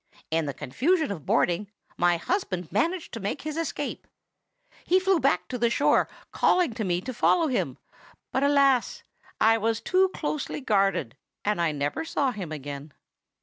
"In the confusion of boarding, my husband managed to make his escape. He flew back to the shore, calling to me to follow him; but, alas! I was too closely guarded, and I never saw him again.